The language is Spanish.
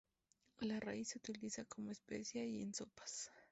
La raíz se utiliza como especia y en sopas.